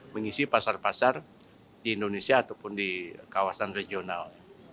mengisi pasar pasar di indonesia ataupun di kawasan regional